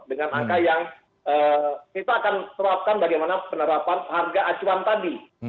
dengan angka yang kita akan terapkan bagaimana penerapan harga acuan tadi